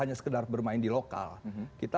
hanya sekedar bermain di lokal kita